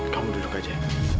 kamu duduk aja